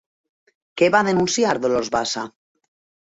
Què va denunciar Dolors Bassa?